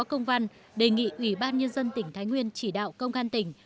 công văn đề nghị ủy ban nhân dân tỉnh thái nguyên chỉ đạo công an tỉnh